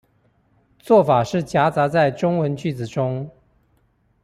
做法是夾雜在中文句子中